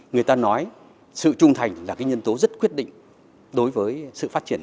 người ta nói sự trung thành là cái nhân tố rất quyết định đối với sự phát triển